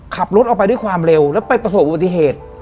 ขับรถออกไปด้วยความเร็วแล้วไปประสบอุบัติเหตุ